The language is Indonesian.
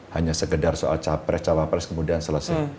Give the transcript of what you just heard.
hanya segera soal cowok pres cowok pres kemudian selesai